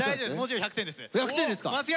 １００点ですか？